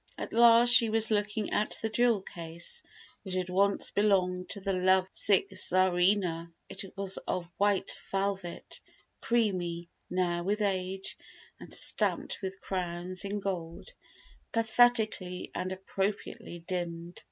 At last she was looking at the jewel case which had once belonged to the love sick Tsarina! It was of white velvet, creamy now with age, and stamped with crowns in gold, pathetically and appropriately dimmed.